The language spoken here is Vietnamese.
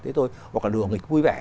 hoặc là đường nghịch vui vẻ